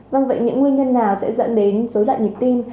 vâng vậy những nguyên nhân nào sẽ dẫn đến dối loạn nhịp tim